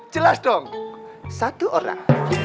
jelas dong satu orang